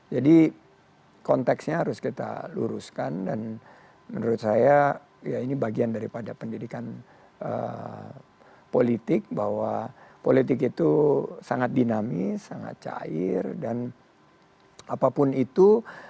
jadi konteksnya harus kita luruskan dan menurut saya ya ini bagian daripada pendidikan politik bahwa politik itu sangat dinamis sangat cair dan apapun itu